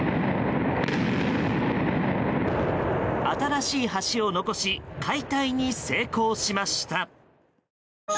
新しい橋を残し解体に成功しました。